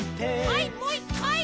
はいもう１かい！